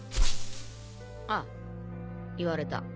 ああ言われた